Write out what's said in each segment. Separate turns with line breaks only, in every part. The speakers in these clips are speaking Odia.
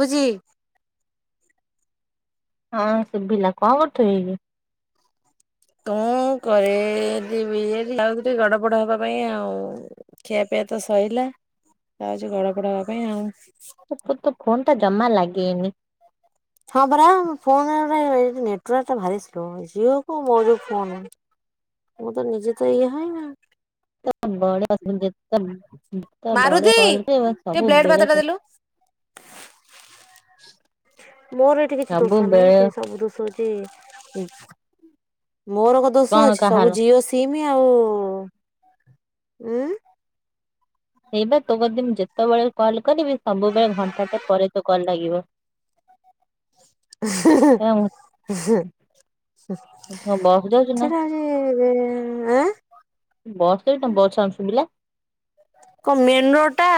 ବୁଝି
ହଁ ଶୁଭିଲା କଣ କରୁଥିଲୁ କି?
କଣ କରିବି ଯାଉଥିଲି ଗଡ ବଡ ହବା ପାଇଁ ଆଉ। ଖିଆ ପିଇଆ ତ ସରିଲା ଯାଉଛି ଗଡପଡ ହବା ପାଇଁ ଆଉ।
ଓହୋ ତୋ ଫୋନଟା ଜମା ଲାଗେନି।
ହଁ ପରା ଫୋନଟା ମାନେ ଏଠି ନେଟୱର୍କ ଭାରି ସ୍ଲୋ, ଜିଓକୁ ମୋର ଯଉ ଫୋନ୍। ମୁଁ ତ ନିଜେ ତ ଇଏ ହଏ ନା।
[unintelligible] ଯେତେବେଳେ
ମାରୁତି
କଲ୍ କରିବ
ଟିକେ ବ୍ଲେଡ
ସବୁବେଳେ
ପାତଟା ଦେଲୁ। ମୋର ଏଠି କିଛି ଦୋଷ ନାହିଁ ସେ
ସବୁବେଳେ
ସବୁ ଦୋଷ [unintelligible] ମୋର କଣ ଦୋଷ ଅଛି ସବୁ ଜିଓ ସିମ୍ ତିନି ଆଉ।
ସେଇ ବା ତୋ କତିକି ମୁଁ ଯେତେବେଳେ କଲ୍ କରିବି ସବୁବେଳେ ଘଣ୍ଟାଟେ ପରେ ତୋ କଲ୍ ଲାଗିବ।
[inaudible]
ବସ୍ ଯାଉଛୁ ନା
ସେଟା ବୋ ଆଁ।
ବସ୍ ସେଇଠି ବସ୍ ସାଉଣ୍ଡ୍ ଶୁଭିଲା।
କଣ ମେନ୍ ରୋଡଟା।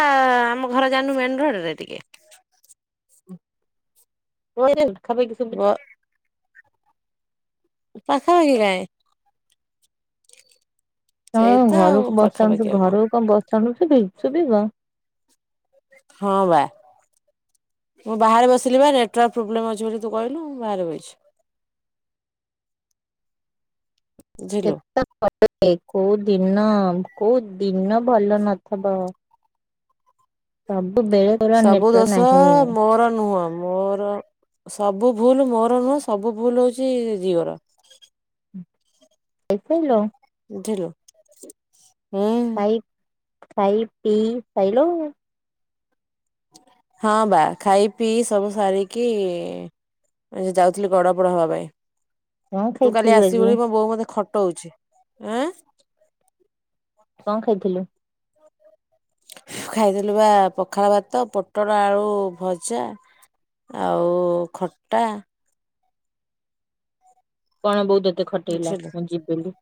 ଆମ ଘର ଜାଣିନୁ ମେନ୍ ରୋଡରେ ଟିକେ।
[unintelligible] ଶୁବୁଛି।
ବ ପାଖାପାଖି କାଇଁ।
ହଁ
ସେଇତ ଆଉ
ଘରକୁ ବସ୍ ସାଉଣ୍ଡ
ପାଖାପାଖି
ଶୁ।
ଆଉ
ଘରକୁ କଣ ବସ୍ ସାଉଣ୍ଡ ଶୁଭି ଶୁଭିବ।
ହଁ ବା। ମୁଁ ବାହାରେ ବସିଲି ବା ନେଟୱାର୍କ ପ୍ରୋବ୍ଲେମ୍ ଅଛି ବୋଲି ତୁ କହିଲୁ ମୁଁ ବାହରେ ବଇଛି। ବୁଝିଲୁ।
କେତେବଳେ କୋଉ ଦିନ କୋଉ ଦିନ? ଭଲ ନଥବ।
ସବୁ
ନେଟୱାର୍କ
ଦୋଷ
ନାହିଁ।
ମୋର ନୁହଁ। ମୋର। ସବୁ ଭୁଲ ମୋର ନୁହଁ ସବୁ ଭୁଲ ହଉଛି ଝିଅର।
[unintelligible]
ବୁଝଲ।
ଖାଇ ଖାଇ ପି ସାଇଲ।
ହଁ ବା ଖାଇ ପିଇ ସବୁ ସାରିକି ଏବେ ଯାଉଥିଲି ଗଡପଡ ହବା ପାଇଁ।
କଣ
ତୁ କାଲି
ଖାଇଥିଲୁ
ଆସିବୁ
ଆଜି
ବୋଲି ମୋ ବୋଉ ମତେ ଖଟଉଛି।
କଣ ଖାଇଥିଲୁ?
ଖାଇଥିଲୁ ବା ପଖାଳ ଭାତ ପୋଟଳ ଆଳୁ ଭଜା। ଆଉ ଖଟା।
କଣ ବୋଉ ତତେ ଖଟେଇଲା,
ବୁଝିଲୁ
ମୁଁ ଯିବି ବିଲିି?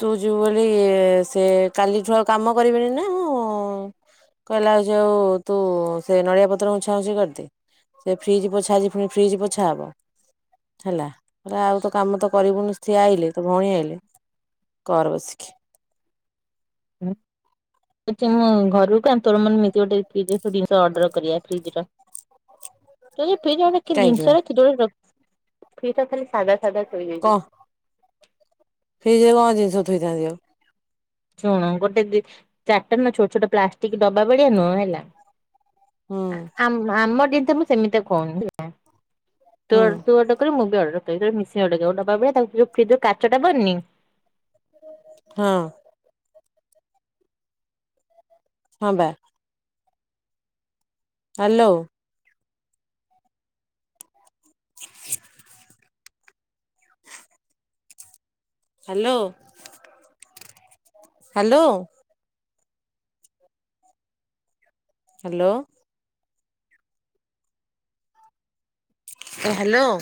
ତୁ ଯିବୁ ବୋଲି ସେ କାଲିଠୁ ଆଉ କାମ କରିବନି ନା କଣ? କହିଲା ଯୋଉ ତୁ ସେ ନଡିଆ ପତ୍ର ଉଁଛା ଉଁଛି କରିଦେ। ସେ ଫ୍ରିଜ୍ ପୋଛା ଆଜି ପୁଣି ଫ୍ରିଜ୍ ପୋଛା ହବ ହେଲା। ପରେ ଆଉ ତ କାମ ତ କରିବୁନି ସିଏ ଆଇଲେ ତୋ ଭଉଣୀ ଆଇଲେ କର ବସିକି।
[inaudible] କହୁଚି ମୁଁ ଘରୁ କାଇଁ ତୋର ମୋର ନିଜ [unintelligible] ଜିନିଷ ଅର୍ଡର କରିବା ଫ୍ରିଜ ଟା।
କାହିଁକି ବା
[unintelligible]
କଣ
[inaudible]
ଫ୍ରିଜରେ କଣ ଜିନିଷ ଥୋଇଥାନ୍ତି ଆଉ?
ଶୁଣ ଗୋଟେ [unintelligible] ଛୋଟ ଛୋଟ ପ୍ଲାଷ୍ଟିକ୍ ଡବା ଭଳିଆ ନୁହଁ ହେଲା।
ହୁଁ
ଆ-ଆମ ଦିଟାକୁ ସେମିତିଆ କଅନି ହେଲା।
ହୁଁ
ତୋର ତୁ ଗୋଟେ ମୁଁ ବି ଅର୍ଡର କରିବି। ମିଶିକି ଅର୍ଡର କରିଆ। ତାକୁ ଯୋଉ ଫ୍ରିଜର କାଚଟା ବନି।
ହଁ। ହଁ ବା। ହ୍ୟାଲୋ। [inaudible] ହ୍ୟାଲୋ। ହ୍ୟାଲୋ। ହ୍ୟାଲୋ। ଏ ହ୍ୟାଲୋ।